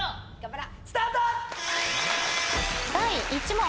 第１問。